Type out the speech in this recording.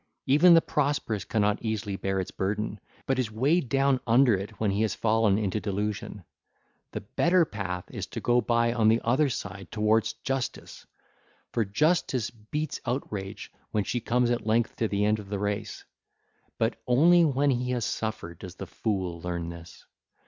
Even the prosperous cannot easily bear its burden, but is weighed down under it when he has fallen into delusion. The better path is to go by on the other side towards justice; for Justice beats Outrage when she comes at length to the end of the race. But only when he has suffered does the fool learn this.